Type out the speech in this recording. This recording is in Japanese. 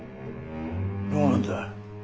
どうなんだ。